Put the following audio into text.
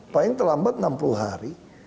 paling terlambat enam puluh hari